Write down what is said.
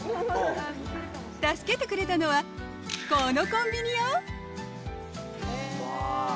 助けてくれたのは、このコンビニよ。